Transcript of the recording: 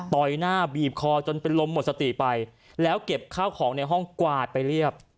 หน้าบีบคอจนเป็นลมหมดสติไปแล้วเก็บข้าวของในห้องกวาดไปเรียบ